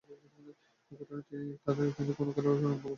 এ ঘটনায় তিনি কোন খেলোয়াড়ের নাম প্রকাশ করেননি।